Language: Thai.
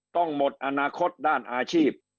ต้องหมดอนาคตด้านอาชีพ